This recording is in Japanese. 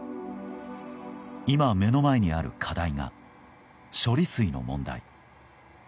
今、目の前にある課題が処理水の問題。